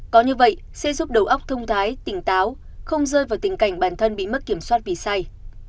có như vậy sẽ giúp đầu óc thông thái tỉnh táo không rơi vào tình cảnh bản thân bị mất kiểm soát vì say